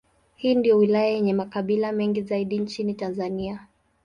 Hii ndiyo wilaya yenye makabila mengi zaidi nchini Tanzania.